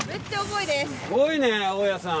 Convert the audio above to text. すごいね大家さん。